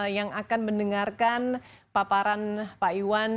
yang akan mendengarkan paparan pak iwan